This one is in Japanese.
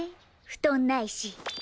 布団ないし。